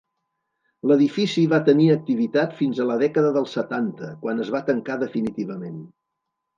L'edifici va tenir activitat fins a la dècada dels setanta, quan es va tancar definitivament.